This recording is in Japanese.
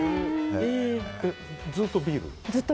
ずっとビール？